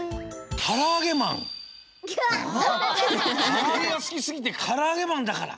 からあげがすきすぎてからあげマンだから！